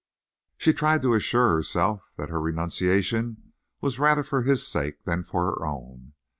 She tried to assure herself that her renunciation was rather for his sake than for her own.